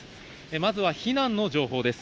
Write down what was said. まずは避難の情報です。